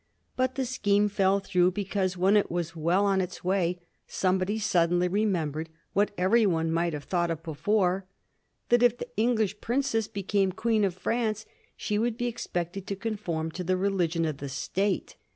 But the scheme fell through because when it was well on its way somebody suddenly remembered, what every one might have thought of before, that if the English princess became Queen of France she would be expected to conform to the religion of the State.